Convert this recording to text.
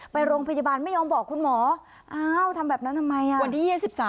ไปโรงพยาบาลไม่ยอมบอกคุณหมออ้าวทำแบบนั้นทำไมอ่ะวันที่๒๓